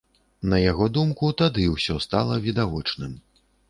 На яго думку, тады ўсё стала відавочным.